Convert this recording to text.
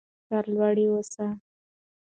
سر لوړي اوسئ.